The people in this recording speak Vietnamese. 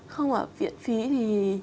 không ạ viện phí thì